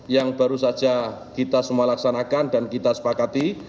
yang baru saja kita semua laksanakan dan kita sepakati